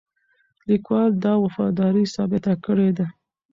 لیکوال دا وفاداري ثابته کړې ده.